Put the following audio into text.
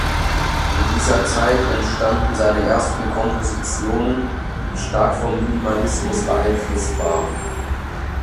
In dieser Zeit entstanden seine ersten Kompositionen, die stark vom Minimalismus beeinflusst waren.